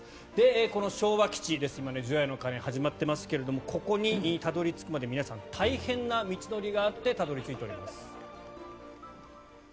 この昭和基地除夜の鐘が始まっていますがここにたどり着くまでに皆さん大変な道のりがあってたどり着いております。